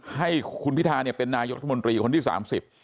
ให้คุณพิธาเนี่ยเป็นนายกรัฐมนตรีคนที่สามสิบ